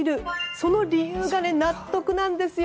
その理由が納得なんですよ。